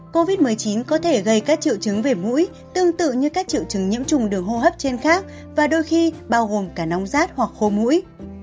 covid một mươi chín có thể gây các triệu chứng về mũi tương tự như các triệu chứng nhiễm trùng đường hô hấp trên khác và đôi khi bao gồm cả nóng rát hoặc khô mũi